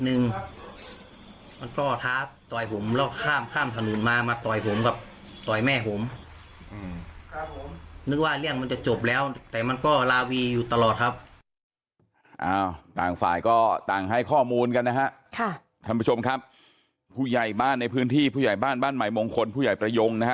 เอ้าต่างฝ่าก็ต่างให้ข้อมูลกันนะฮะท่านผู้ชมครับ